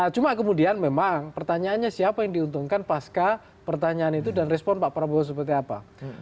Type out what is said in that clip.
cuma kemudian memang pertanyaannya siapa yang diuntungkan pasca pertanyaan itu dan respon pak prabowo seperti apa